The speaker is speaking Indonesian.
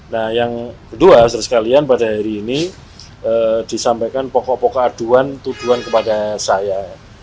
nah yang kedua saudara sekalian pada hari ini disampaikan pokok pokok aduan tuduhan kepada saya